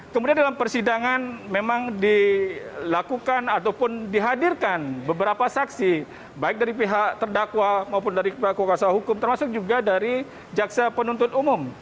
kemudian dalam persidangan memang dilakukan ataupun dihadirkan beberapa saksi baik dari pihak terdakwa maupun dari pihak kuasa hukum termasuk juga dari jaksa penuntut umum